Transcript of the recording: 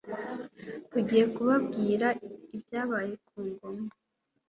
tugiye kubabwira ibyabaye ku ngoma.